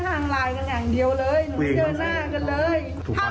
แต่เห็นพ่อเขาอะพ่อเขาบอกว่าเขาอะเหมือนขับรถเฉี่ยวกัน